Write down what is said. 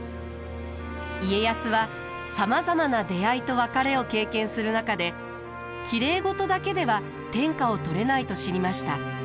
家康はさまざまな出会いと別れを経験する中できれい事だけでは天下を取れないと知りました。